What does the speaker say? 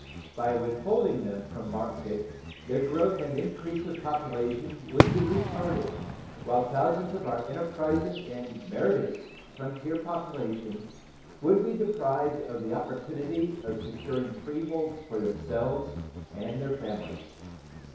By withholding them from market their growth and increase of population would be retarded, while thousands of our enterprising and meritorious frontier population would be deprived of the opportunity of securing freeholds for themselves and their families.